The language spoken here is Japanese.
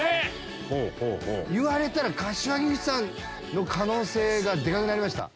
言われたら柏木由紀さんの可能性がでかくなりました。